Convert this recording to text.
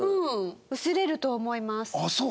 ああそう？